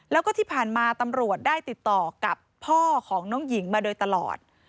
แล้วก็ที่ผ่านมาตำรวจได้ติดต่อกับพ่อของน้องหญิงมาโดยตลอด